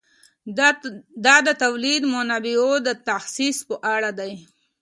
دا د تولیدي منابعو د تخصیص په اړه دی.